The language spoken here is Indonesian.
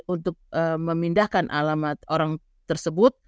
untuk memindahkan alamat orang tersebut